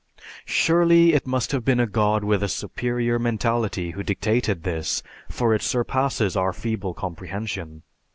Surely, it must have been a God with a superior mentality who dictated this, for it surpasses our feeble comprehension.